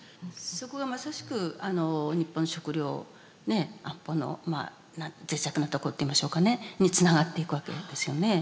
そこがまさしく日本の「食料安保」の脆弱なところっていいましょうかねにつながっていくわけですよね。